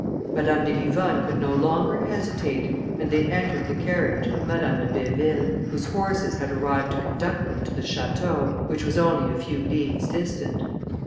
Madame de Livonne could no longer hesitate, and they entered the carriage of Madame de Béville, whose horses had arrived to conduct them to the château, which was only a few leagues distant.